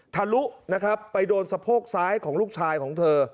ทะลุนะครับไปโดนสะโพกซ้ายของลูกชายของเธอ